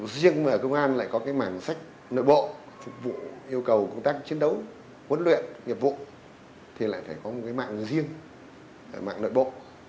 riêng mà ở công an lại có cái mảng sách nội bộ phục vụ yêu cầu công tác chiến đấu huấn luyện nghiệp vụ thì lại phải có một cái mạng riêng mạng nội bộ